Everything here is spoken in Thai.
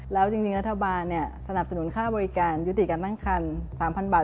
แล้วจริงรัฐบาลสนับสนุนค่าบริการยุติการตั้งคัน๓๐๐บาท